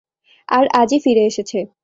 আর আজই ফিরে এসেছে।